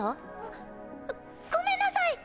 っ！ごめんなさいっ！